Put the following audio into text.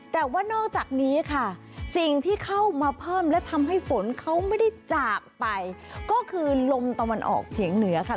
แต่ว่านอกจากนี้ค่ะสิ่งที่เข้ามาเพิ่มและทำให้ฝนเขาไม่ได้จากไปก็คือลมตะวันออกเฉียงเหนือค่ะ